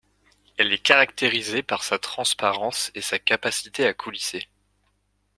Elle est caractérisée par sa transparence et sa capacité à coulisser.